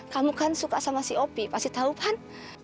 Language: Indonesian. kamu kan suka sama si opi pasti tau kan